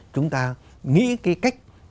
chúng ta nghĩ cái cách